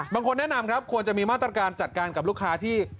บางคนแนะนำครับควรจะมีมาตรการจัดการกับลูกค้าที่